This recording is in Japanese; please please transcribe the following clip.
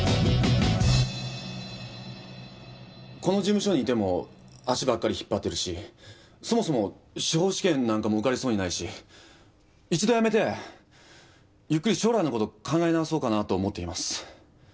この事務所にいても足ばっかり引っ張ってるしそもそも司法試験なんかも受かりそうにないし一度辞めてゆっくり将来のこと考え直そうかなと思っています。